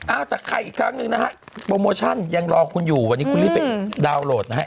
แต่ใครอีกครั้งหนึ่งนะฮะโปรโมชั่นยังรอคุณอยู่วันนี้คุณรีบไปดาวน์โหลดนะฮะ